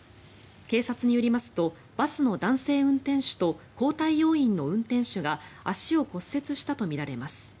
警察によりますとバスの男性運転手と交代要員の運転手が足を骨折したとみられます。